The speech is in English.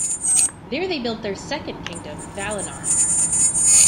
There they built their Second Kingdom, Valinor.